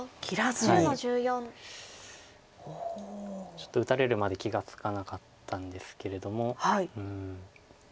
ちょっと打たれるまで気が付かなかったんですけれども。